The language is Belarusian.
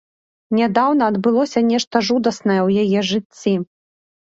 Нядаўна адбылося нешта жудаснае ў яе жыцці.